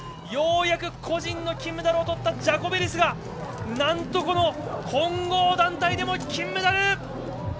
ようやく個人の金メダルをとったジャコベリスがなんと、混合団体でも金メダル！